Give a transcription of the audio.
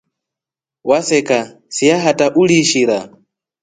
Waseka siya hata uliishira.